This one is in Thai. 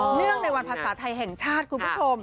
เนื่องในวันภาษาไทยแห่งชาติคุณผู้ชม